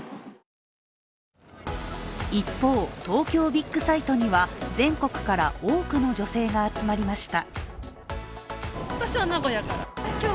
一方、東京ビッグサイトには全国から多くの女性が集まりました。